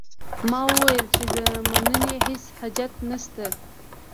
ما وویل چې د مننې هیڅ حاجت نه شته.